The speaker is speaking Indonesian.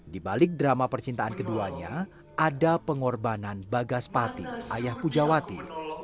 di balik drama percintaan keduanya ada pengorbanan bagaspati ayah pujawati